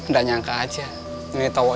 gak nyangka aja